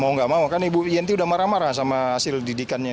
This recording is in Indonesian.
mau nggak mau kan ibu yenti udah marah marah sama hasil didikannya